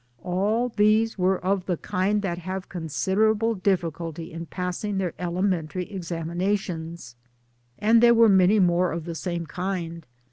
All these were of the kind that have considerable difficulty in passing their elementary examinations. And there were many more of the same kind.